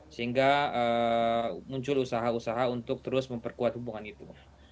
sehingga muncul usaha usaha untuk terus memperkuat hubungan itu